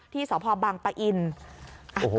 ที่สพปอินทร์